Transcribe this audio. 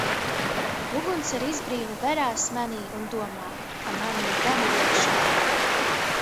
Uguns ar izbrīnu veras manī un domā, ka man nu gan ir iekšā.